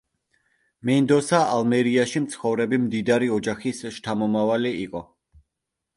მენდოსა ალმერიაში მცხოვრები მდიდარი ოჯახის შთამომავალი იყო.